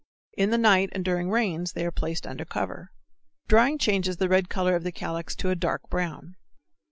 In the night and during rains they are placed under cover. Drying changes the red color of the calyx to a dark brown.